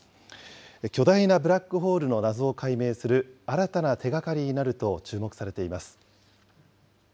巨大なブラックホールの謎を解明する新たな手がかりになると注目されています。